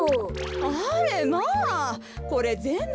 あれまあこれぜんぶ